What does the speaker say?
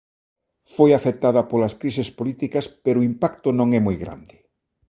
Foi afectada polas crises políticas pero o impacto non é moi grande".